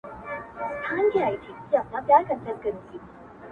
يوازې سوی يم يادونه د هغې نه راځي!!